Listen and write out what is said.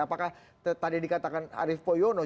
apakah tadi dikatakan arief poyono